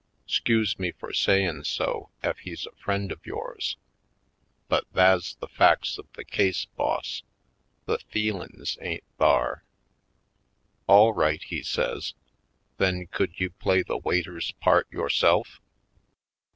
'Scuse me fur sayin' so ef he's a friend of yours, but tha's the facts of the case, boss — the feelin's ain't thar." "All right," he says, "then could you play the waiter's part yourself?"